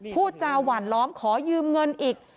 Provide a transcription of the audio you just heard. พูดจาหวานล้อมขอยืมเงินอีก